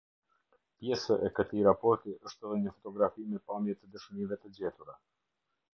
Pjesë e këtij raporti është edhe një fotografi me pamje të dëshmive të gjetura.